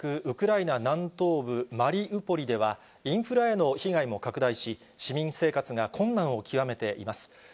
ウクライナ南東部マリウポリでは、インフラへの被害も拡大し、市民生活が困難を極めています。